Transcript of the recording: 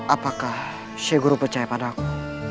apakah syekh guru percaya pada aku